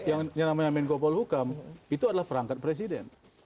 yang namanya menko polhukam itu adalah perangkat presiden